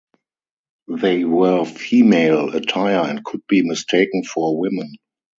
They wear female attire and could be mistaken for women.